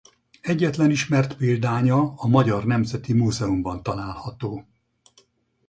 Egyetlen ismert példánya a Magyar Nemzeti Múzeumban található.